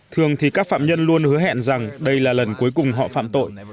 thường thì các phạm nhân luôn hứa hẹn rằng đây là lần cuối cùng họ phạm tội